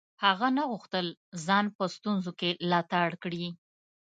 هغه نه غوښتل ځان په ستونزو کې لتاړ کړي.